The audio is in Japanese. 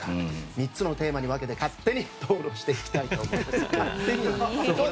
３つのテーマに分けて勝手に討論したいと思います。